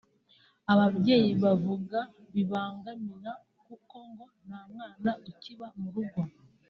ababyeyi bavuga bibabangamira kuko ngo nta mwana ukiba mu rugo